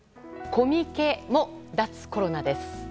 コミケも脱コロナです。